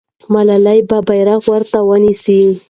ملالۍ به بیرغ ورته ونیسي.